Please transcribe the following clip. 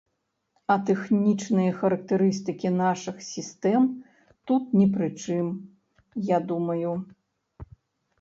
А тэхнічныя характарыстыкі нашых сістэм тут ні пры чым, я думаю.